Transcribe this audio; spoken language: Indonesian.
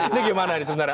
ini gimana sebenarnya